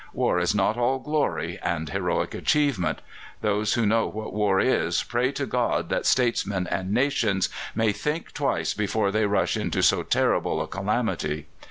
War is not all glory and heroic achievement. Those who know what war is pray to God that statesmen and nations may think twice before they rush into so terrible a calamity.